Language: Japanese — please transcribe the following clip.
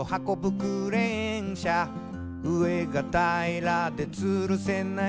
クレーン車」「上がたいらでつるせない」